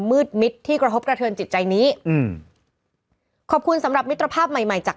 มืดมิดที่กระทบกระเทินจิตใจนี้อืมขอบคุณสำหรับมิตรภาพใหม่ใหม่จาก